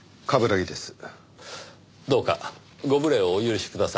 どうかご無礼をお許しください。